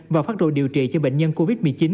và phát đồ điều trị cho bệnh nhân covid một mươi chín